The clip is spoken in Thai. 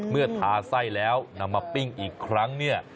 เมื่อทาไส้แล้วนำมาปิ้งอีกครั้งเนี่ย